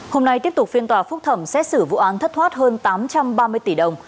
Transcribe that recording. hôm nay tiếp tục phiên tòa phúc thẩm xét xử vụ án thất thoát hơn tám trăm ba mươi tỷ đồng